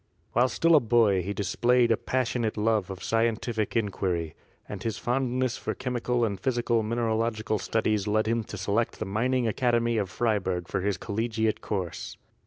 While still a boy he displayed a passionate love of scientific inquiry, and his fondness for chemical and physical mineralogical studies led him to 58 GEOLOGY select the Mining Academy of Freiberg for his collegiate course.